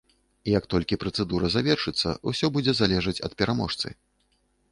Як толькі працэдура завершыцца, усё будзе залежаць ад пераможцы.